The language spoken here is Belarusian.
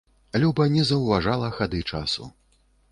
Люба не заўважала хады часу.